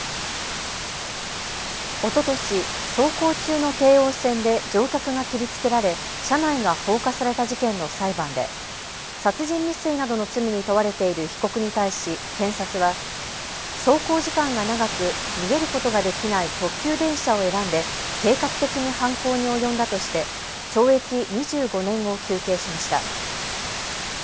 おととし走行中の京王線で乗客が切りつけられ車内が放火された事件の裁判で殺人未遂などの罪に問われている被告に対し検察は走行時間が長く逃げることができない特急電車を選んで計画的に犯行に及んだとして懲役２５年を求刑しました。